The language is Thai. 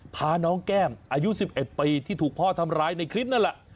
พาน้องแก้มอายุ๑๑ปีที่ถูกพ่อทำร้ายในคลิปนั่นแหละ